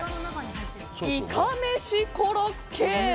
いかめしコロッケ。